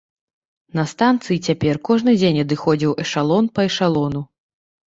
На станцыі цяпер кожны дзень адыходзіў эшалон па эшалону.